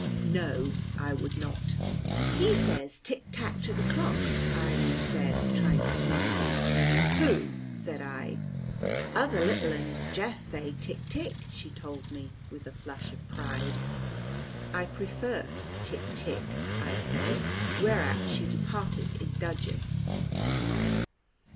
No, I would not. "He says tick tack to the clock," Irene said, trying to snare me. "Pooh!" said I. "Other little 'uns jest says 'tick tick,'" she told me, with a flush of pride. "I prefer 'tick tick,'" I said, whereat she departed in dudgeon.